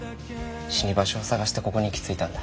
死に場所を探してここに行き着いたんだ。